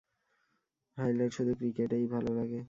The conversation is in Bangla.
হাইলাইট শুধু ক্রিকেটেই ভালো লাগে।